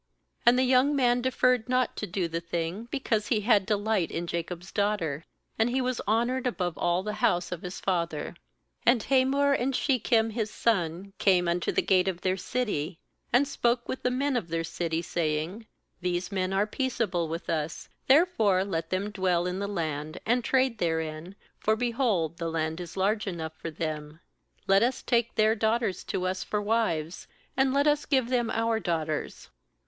19And the young man deferred not to do the thing, because he had delight in Jacob's daughter. And he was honoured above all the house of his father. 20And Hamor and Shechem his son came unto the gate of their city, and spoke with the men of their city, saying: a' These men are peace able with us; therefore let them dwell in the land, and trade therein; for, behold, the land is large enough for them; let us take their daughters to us for wives, and let us give them our daughters.